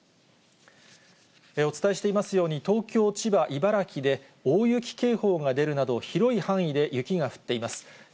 お伝えしていますように、東京、千葉、茨城で大雪警報が出るなど、広い範囲で雪が降っています。